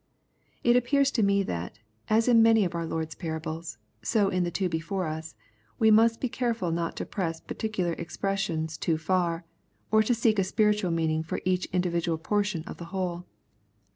It appears to me that, as in many of our Lord's parables, so in the two before us, we must be careful not to press particular expressions too far, or to seek a spiritual meaning for each individ ual portion of the whole.